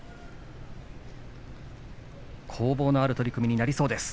攻防のある取組になりそうです。